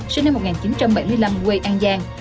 sinh năm một nghìn chín trăm bảy mươi năm quê an giang